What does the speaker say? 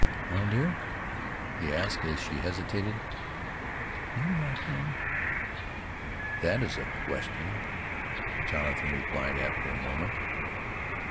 "Well, dear?" he asked as she hesitated. "Do you like Helen?" "That is a question," Jonathan replied after a moment.